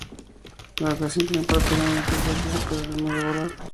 La educación tiene un papel muy importante en superar el miedo a volar.